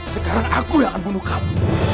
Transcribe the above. sekarang aku yang akan bunuh kamu